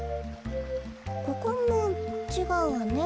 ここもちがうわね。